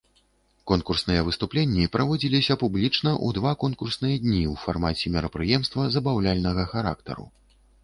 Конкурсныя выступленні праводзіліся публічна ў два конкурсныя дні ў фармаце мерапрыемства забаўляльнага характару.